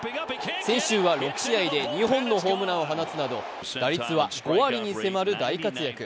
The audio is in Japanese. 先週は６試合で２本のホームランを放つなど打率は５割に迫る大活躍。